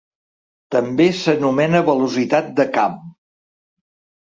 També s'anomena velocitat de camp.